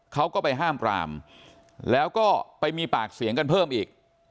เขาก็ไปห้ามปรามแล้วก็ไปมีปากเสียงกันเพิ่มอีก